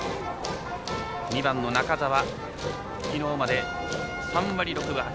２番の中澤、きのうまで３割６分８厘。